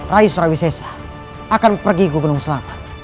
rai surawi sesa akan pergi ke gunung selamat